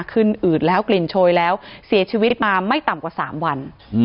อืดแล้วกลิ่นโชยแล้วเสียชีวิตมาไม่ต่ำกว่า๓วัน